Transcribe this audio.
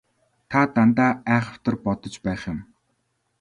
Та дандаа айхавтар бодож байх юм.